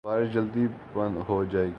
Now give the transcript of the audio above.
بارش جلدی بند ہو جائے گی۔